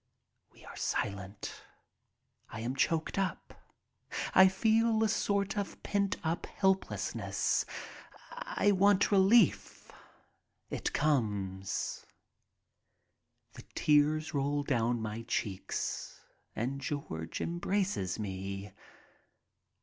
We are silent. I am choked up. I feel a sort of pent up helplessness. I want relief. It comes. The tears roll down my cheeks and George embraces me.